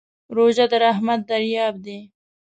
روژه د رحمت دریاب دی.